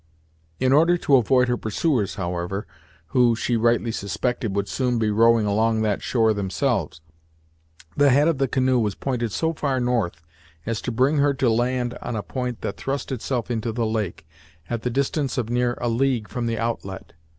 In order to avoid her pursuers, however, who, she rightly suspected, would soon be rowing along that shore themselves, the head of the canoe was pointed so far north as to bring her to land on a point that thrust itself into the lake, at the distance of near a league from the outlet.